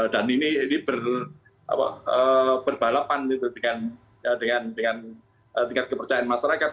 dan ini berbalapan dengan tingkat kepercayaan masyarakat